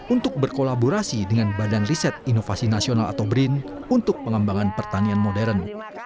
untuk berkolaborasi dengan badan riset inovasi nasional atau brin untuk pengembangan pertanian modern